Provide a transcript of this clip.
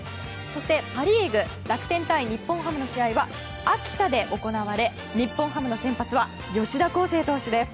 そしてパ・リーグ楽天対日本ハムの試合は秋田で行われ、日本ハムの先発は吉田輝星投手です。